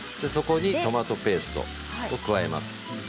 そこにトマトペーストを加えます。